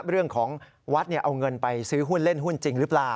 เรื่องของวัดเอาเงินไปซื้อหุ้นเล่นหุ้นจริงหรือเปล่า